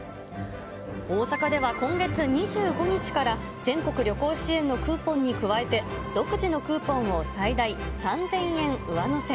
大阪では今月２５日から、全国旅行支援のクーポンに加えて、独自のクーポンを最大３０００円上乗せ。